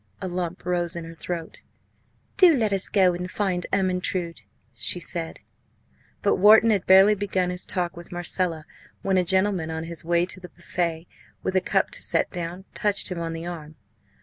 A lump rose in her throat. "Do let's go and find Ermyntrude!" she said. But Wharton had barely begun his talk with Marcella when a gentleman, on his way to the buffet with a cup to set down, touched him on the arm.